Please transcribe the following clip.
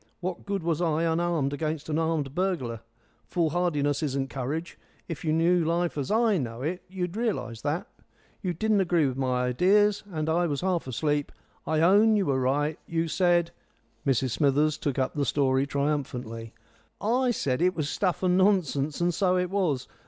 What good was I unarmed against an armed burglar? Foolhardiness isn't courage. If you knew life as I know it you'd realise that. You didn't agree with my ideas, and, as I was half asleep, I own you were right; you said " Mrs Smithers took up the story triumphantly. "I said it was stuff and nonsense, and so it was.